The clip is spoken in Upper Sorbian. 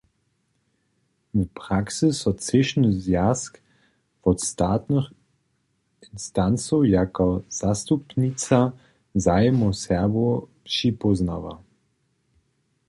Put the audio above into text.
W praksy so třěšny zwjazk wot statnych instancow jako zastupnica zajimow Serbow připóznawa.